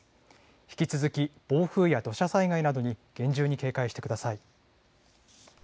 引き続き暴風や土砂災害などに厳重に警戒してください。